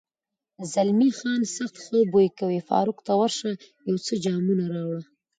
زلمی خان: سخت ښه بوی کوي، فاروق، ته ورشه یو څو جامونه راوړه.